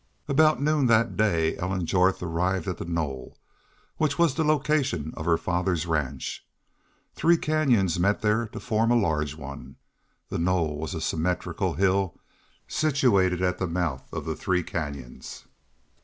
About noon that day Ellen Jorth arrived at the Knoll, which was the location of her father's ranch. Three canyons met there to form a larger one. The knoll was a symmetrical hill situated at the mouth of the three canyons.